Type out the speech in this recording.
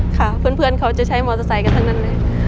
ค่ะเพื่อนเขาจะใช้มอเตอร์ไซค์กันทั้งนั้นเลย